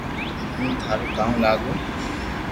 ھون ٿاريو ڪاوُ لاگو